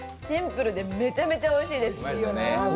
シンプルでめちゃめちゃおいしいです。